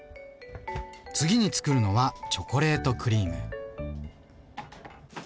次につくるのはチョコレートクリーム。